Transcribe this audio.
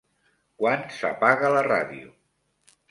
Quan s'apaga la ràdio?